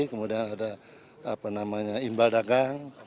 kemudian ada imbal dagang